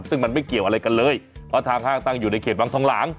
ซึ่งมันไม่เกี่ยวอะไรกันเลยเพราะทางห้างตั้งอยู่ในเขตวังทองหลาง